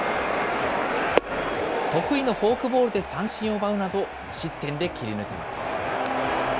得意のフォークボールで三振を奪うなど、無失点で切り抜けます。